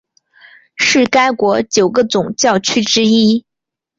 是该国九个总教区之一。